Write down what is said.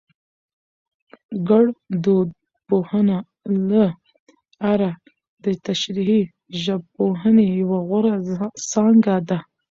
ګړدود پوهنه له اره دتشريحي ژبپوهنې يوه غوره څانګه ده